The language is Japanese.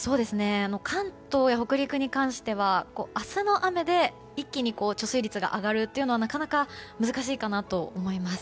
関東や北陸に関しては明日の雨で一気に貯水率が上がるというのはなかなか難しいかなと思います。